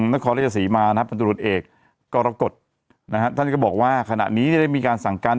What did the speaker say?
นครราชสีมานะครับพันธุรกิจเอกกรกฎนะฮะท่านก็บอกว่าขณะนี้ได้มีการสั่งการ